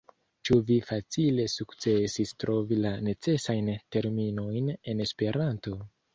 Ĉu vi facile sukcesis trovi la necesajn terminojn en Esperanto?